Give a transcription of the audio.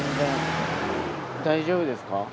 大丈夫ですか？